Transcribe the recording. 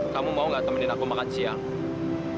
kamu mau gak temenin aku makan siang